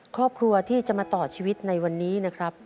ครอบครัวที่จะมาต่อชีวิตในวันนี้นะครับ